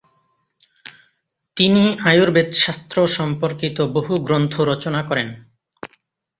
তিনি আয়ুর্বেদ শাস্ত্র সম্পর্কিত বহু গ্রন্থ রচনা করেন।